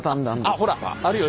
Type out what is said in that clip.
あっほらあるよ。